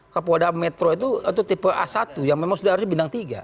kapolda metro itu tipe a satu yang memang sudah harusnya bintang tiga